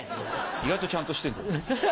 意外とちゃんとしてんだな。